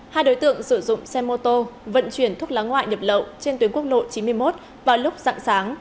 hai đối tượng sử dụng xe mô tô vận chuyển thuốc lá ngoại nhập lậu trên tuyến quốc lộ chín mươi một vào lúc dạng sáng